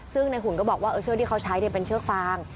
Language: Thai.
ซึ่งในหุ่นก็บอกว่าเชือกที่เขาใช้เป็นเชือกฟาง